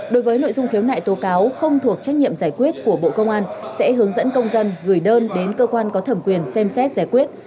đối với nội dung khiếu nại tố cáo không thuộc trách nhiệm giải quyết của bộ công an sẽ hướng dẫn công dân gửi đơn đến cơ quan có thẩm quyền xem xét giải quyết